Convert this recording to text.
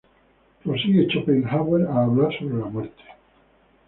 Prosigue Schopenhauer a hablar sobre la muerte.